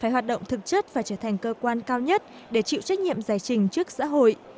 phải hoạt động thực chất và trở thành cơ quan cao nhất để chịu trách nhiệm giải trình trước xã hội